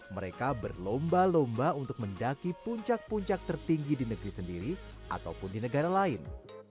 mereka berlomba lomba untuk mendaki puncak puncak tertinggi di negeri sendiri ataupun di negara lain